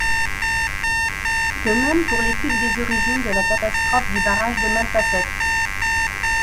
De même pour l’étude des origines de la catastrophe du barrage de Malpasset.